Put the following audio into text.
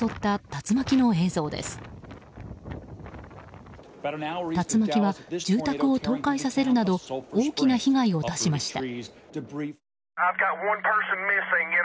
竜巻は、住宅を倒壊させるなど大きな被害を出しました。